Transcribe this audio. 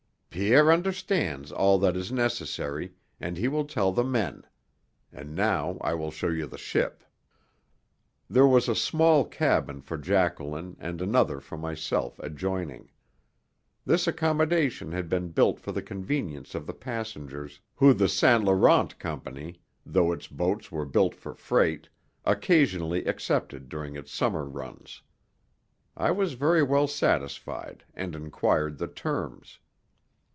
"Pierre understands all that is necessary, and he will tell the men. And now I will show you the ship." There was a small cabin for Jacqueline and another for myself adjoining. This accommodation had been built for the convenience of the passengers whom the Saint Laurent Company, though its boats were built for freight, occasionally accepted during its summer runs. I was very well satisfied and inquired the terms.